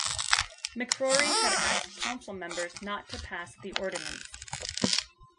McCrory had asked council members not to pass the ordinance.